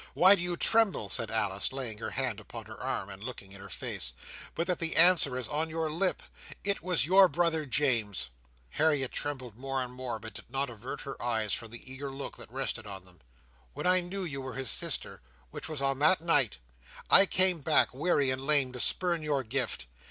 "Why do you tremble?" said Alice, laying her hand upon her arm, and looking in her face, "but that the answer is on your lips! It was your brother James." Harriet trembled more and more, but did not avert her eyes from the eager look that rested on them. "When I knew you were his sister—which was on that night—I came back, weary and lame, to spurn your gift.